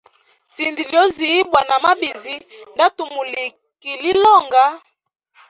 Sinda lyozi ibwa namabizi ndatumulikilila onga.